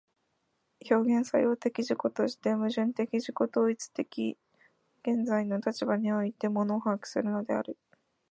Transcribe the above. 表現作用的自己として、矛盾的自己同一的現在の立場において物を把握するのである。